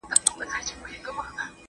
آیا تاسي غواړئ چي بېدېږئ؟